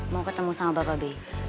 mau ketemu sama bapak b